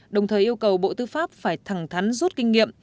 đồng thời yêu cầu bộ tư pháp phải thẳng thắn rút kinh nghiệm